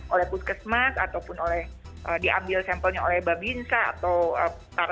oleh puskesmas ataupun diambil sampelnya oleh babinsa atau para relawan lainnya